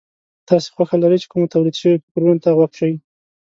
تاسې خوښه لرئ چې کومو توليد شوو فکرونو ته غوږ شئ.